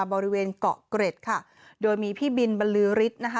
บริเวณเกาะเกร็ดค่ะโดยมีพี่บินบรรลือฤทธิ์นะคะ